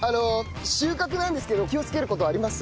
収穫なんですけど気を付ける事あります？